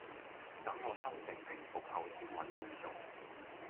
等我心情平復後先搵工做